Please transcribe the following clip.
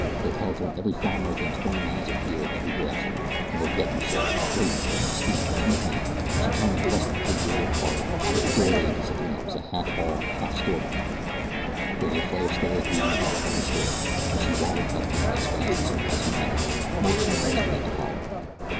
"They'll telephone every farmer within twenty mile of here in every direction, an' they'll get you sure. Wait! I got a scheme. Come with me," and she turned and bustled through the little parlor, out of a doorway into something that was half hall and half storeroom. There was a flight of stairs leading to the upper story, and she waddled up them as fast as her legs would carry her, motioning the two men to follow her.